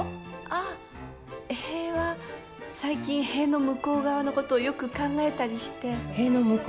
あっ、塀は最近塀の向こう側のことをよく考えたりして。